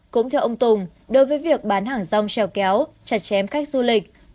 cũng theo ông tùng đối với việc bán hàng rong treo kéo chặt chém khách du lịch